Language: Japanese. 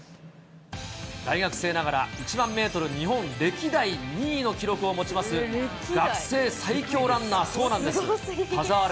大学生ながら１００００メートル日本歴代２位の記録を持ちます、学生最強ランナー、そうなんです、田澤廉。